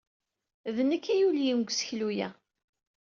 D nekk ay yulyen deg useklu-a.